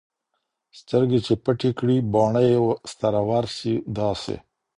سترګي چي پټي كړي باڼه يې سره ورسي داسـي